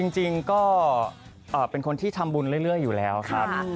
จริงก็เป็นคนที่ทำบุญเรื่อยอยู่แล้วครับ